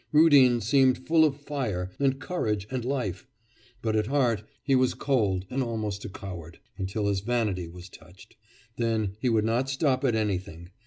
Rudin seemed full of fire, and courage, and life, but at heart he was cold and almost a coward, until his vanity was touched, then he would not stop at anything.